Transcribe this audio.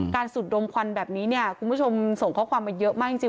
สุดดมควันแบบนี้เนี่ยคุณผู้ชมส่งข้อความมาเยอะมากจริง